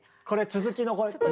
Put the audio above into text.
これ続きのこれ。